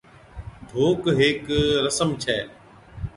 ڌوڪ ھيڪ رسم ڇَي